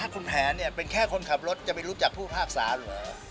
คุณแผนถ้าเป็นคนขับรถจะไม่รู้จักผู้ภาคศาลเหรอ